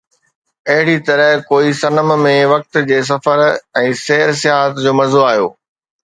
اهڙيءَ طرح ڪوئي صنم ۾ وقت جي سفر ۽ سير سياحت جو مزو آيو